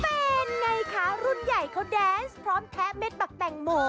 เป็นไงคะรุ่นใหญ่เขาแดนส์พร้อมแคะเม็ดบักแตงโม